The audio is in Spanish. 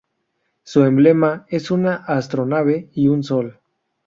Su emblema es una astronave y un sol.